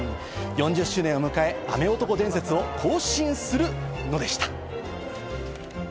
４０周年を迎え、雨男伝説を更新するのでした。